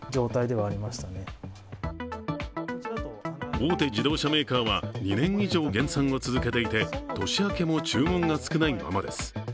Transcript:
大手自動車メーカーは２年以上減産を続けていて年明けも注文が少ないままです。